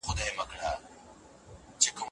جنګ د روغتیا ستر دښمن دی؟